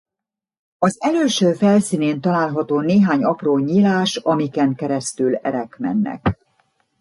Az elülső felszínén található néhány apró nyílás amiken keresztül erek mennek.